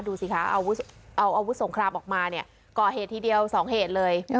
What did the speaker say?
ดูสิคะเอาอาวุธสงครามออกมาเนี่ยก่อเหตุทีเดียว๒เหตุเลย